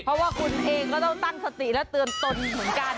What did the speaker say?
เพราะว่าคุณเองก็ต้องตั้งสติและเตือนตนเหมือนกัน